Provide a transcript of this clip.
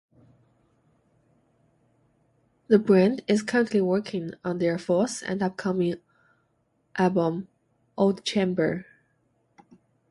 The band is currently working on their fourth and upcoming album, "Old Chamber".